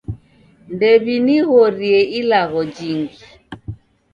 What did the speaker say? Ndew'inighorie ilagho jingi